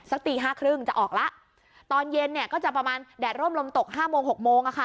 ตีห้าครึ่งจะออกแล้วตอนเย็นเนี่ยก็จะประมาณแดดร่มลมตกห้าโมงหกโมงอะค่ะ